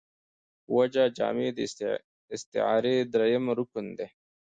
وجه جامع داستعارې درېیم رکن دﺉ.